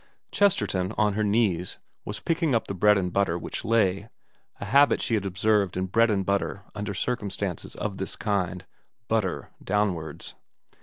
Chesterton, on her knees, was picking up the bread and butter which lay a habit she had observed in bread and butter under circumstances of this kind butter downwards.